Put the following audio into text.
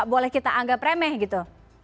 boleh kita anggap remeh gitu